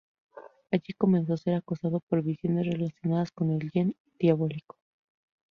Allí comenzó a ser acosado por visiones relacionadas con el Gen Diabólico.